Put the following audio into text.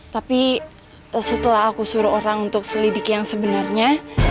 tapi setelah aku suruh orang untuk selidiki yang sebenernya